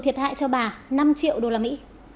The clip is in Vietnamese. thiệt hại cho bà năm triệu đô la mỹ